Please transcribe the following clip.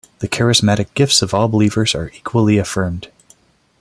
The charismatic gifts of all believers are equally affirmed.